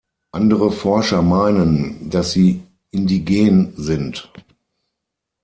Andere Forscher meinen, dass sie indigen sind.